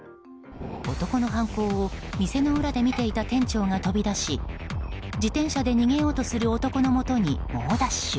男の犯行を店の裏で見ていた店長が飛び出し自転車で逃げようとする男のもとに猛ダッシュ。